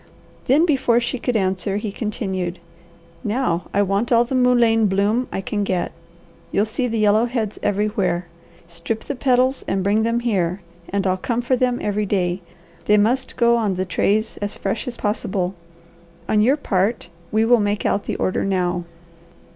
Then before she could answer he continued: "Now I want all the mullein bloom I can get. You'll see the yellow heads everywhere. Strip the petals and bring them here, and I'll come for them every day. They must go on the trays as fresh as possible. On your part, we will make out the order now."